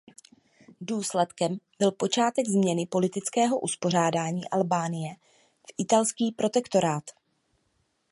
Důsledkem byl počátek změny politického uspořádání Albánie v italský protektorát.